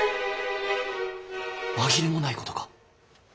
紛れもないことか？